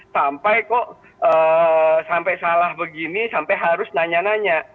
sampai kok sampai salah begini sampai harus nanya nanya